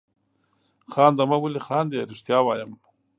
خانده مه ولې خاندې؟ رښتیا وایم.